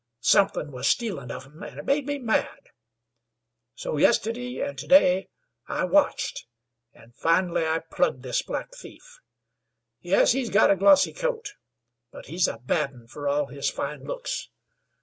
Somethin' was stealin' of 'em, an' it made me mad. So yistidday an' to day I watched, an' finally I plugged this black thief. Yes, he's got a glossy coat; but he's a bad un fer all his fine looks.